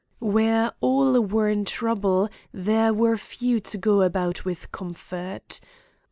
Where all were in trouble there were few to go about with comfort.